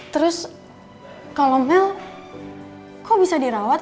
terus kalau mel kok bisa dirawat